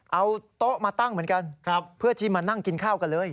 เอาโต๊ะมาตั้งเหมือนกันเพื่อที่มานั่งกินข้าวกันเลย